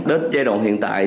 đến giai đoạn hiện tại